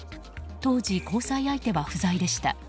当時、交際相手は不在でした。